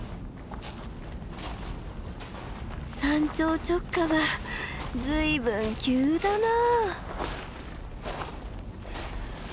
山頂直下は随分急だな。